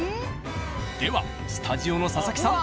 ではスタジオの佐々木さん。